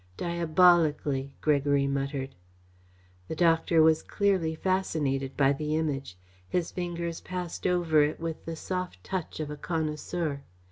"Diabolically!" Gregory muttered. The doctor was clearly fascinated by the Image. His fingers passed over it with the soft touch of a connoisseur.